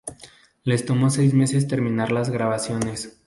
Les tomo seis meses terminar las grabaciones.